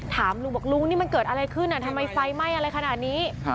ถามลุงบอกลุงนี่มันเกิดอะไรขึ้นทำไมไฟไหม้อะไรขนาดนี้